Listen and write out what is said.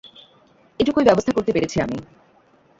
এটুকুই ব্যবস্থা করতে পেরেছি আমি।